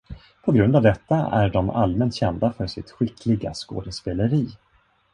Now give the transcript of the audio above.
På grund av detta är de allmänt kända för sitt skickliga skådespeleri.